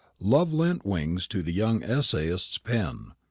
Love lent wings to the young essayist's pen.